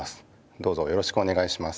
どうぞよろしくおねがいします。